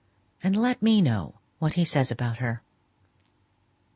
And let me know what he says about her."